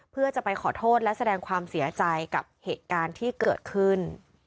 เพื่อจะไปขอโทษและแสดงความเสียใจกับเหตุการณ์ที่เกิดขึ้น